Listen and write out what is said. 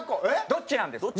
どっちなんですか？